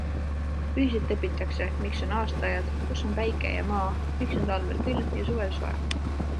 Ühiselt õpitakse, miks on aastaajad, kus on päike ja maa, miks on talvel külm ja suvel soe.